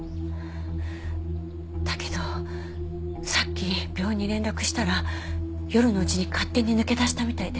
だけどさっき病院に連絡したら夜のうちに勝手に抜け出したみたいで。